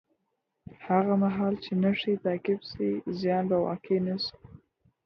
هغه مهال چې نښې تعقیب شي، زیان به واقع نه شي.